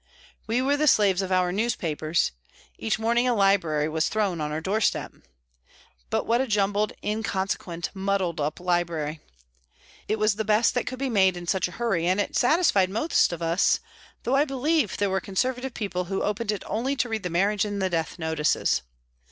We were the slaves of our newspapers; each morning a library was thrown on our doorstep. But what a jumbled, inconsequent, muddled up library! It was the best that could be made in such a hurry, and it satisfied most of us, though I believe there were conservative people who opened it only to read the marriage and the death notices.